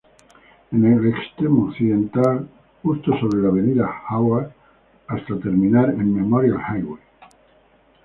En el extremo occidental justo sobre la Avenida Howard, hasta terminar en Memorial Highway.